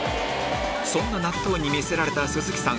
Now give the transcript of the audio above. そんな納豆に魅せられた鈴木さん